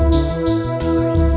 masih di pasar